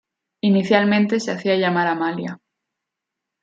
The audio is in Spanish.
Inicialmente se hacía llamar Amalia.